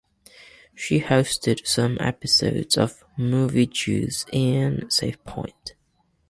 She hosted some episodes of Movie Juice and Save Point.